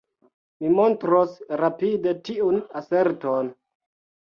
Mi montros rapide tiun aserton".